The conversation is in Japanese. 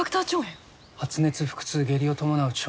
発熱腹痛下痢を伴う腸炎症状。